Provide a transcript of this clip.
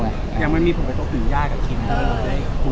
ยังไม่มีคนไปโฟกัสอยู่ยากกับทิมเลย